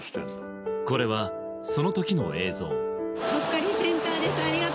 これはその時の映像